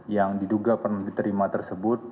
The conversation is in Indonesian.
yang diduga pernah diterima tersebut